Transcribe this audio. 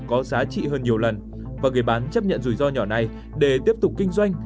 có giá trị hơn nhiều lần và người bán chấp nhận rủi ro nhỏ này để tiếp tục kinh doanh